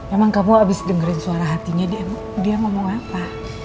emang kamu abis dengerin suara hatinya dia ngomong apa